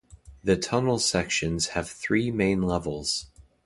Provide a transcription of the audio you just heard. The tunnel sections have three main levels.